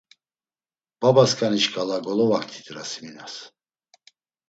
Babasǩani şǩala golovaktit Rasiminas.